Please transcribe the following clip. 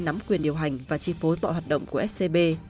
nắm quyền điều hành và chi phối mọi hoạt động của scb